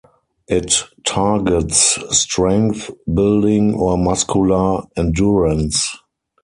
It targets strength building or muscular endurance.